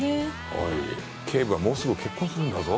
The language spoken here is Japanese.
おいケイブはもうすぐ結婚するんだぞ。